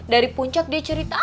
dari puncak dia cerita